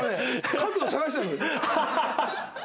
角度探してたよ。